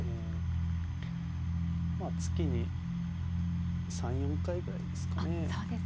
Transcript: まあ月に３４回ぐらいですかね。